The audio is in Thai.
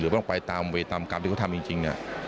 ต้องไปตามเวตามกรรมที่เขาทำจริง